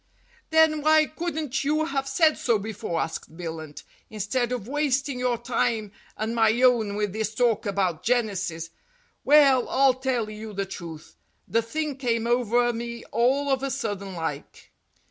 "Then, why couldn't you have said so before?" asked Billunt, "instead of wasting your time and my own with this talk about genesis. Well, I'll tell you the truth. The thing came over me all of a sudden like."